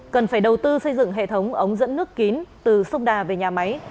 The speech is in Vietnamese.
cần phải đầu tư xây dựng hệ thống ống dẫn nước kín từ sông đà về nhà máy